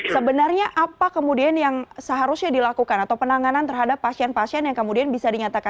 sebenarnya apa kemudian yang seharusnya dilakukan atau penanganan terhadap pasien pasien yang kemudian bisa dinyatakan